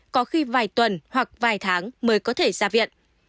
có khi vài tuần hoặc vài tháng mới có thể ra viện